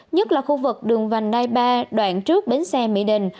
nhất là khu vực đường vành đai ba đoạn trước bến xe mỹ đình